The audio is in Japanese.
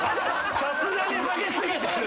さすがにハゲすぎてる。